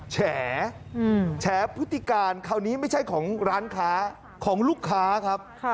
แฉพฤติการคราวนี้ไม่ใช่ของร้านค้าของลูกค้าครับ